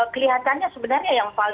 kelihatannya sebenarnya yang paling